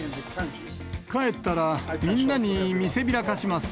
帰ったら、みんなに見せびらかします。